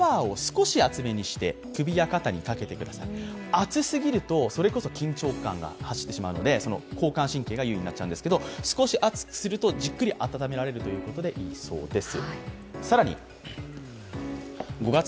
熱すぎるとそれこそ緊張感が発してしまうので交感神経が優位になってしまうので、少し熱くするとじっくり温められるということで、いいそうです。